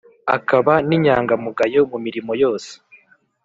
akaba n’ inyangamugayo mu mirimo yose